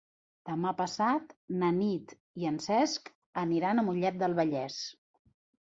Demà passat na Nit i en Cesc aniran a Mollet del Vallès.